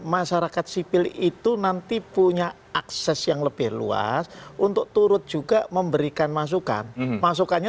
masyarakat sipil itu nanti punya akses yang lebih luas untuk turut juga memberikan masukan masukannya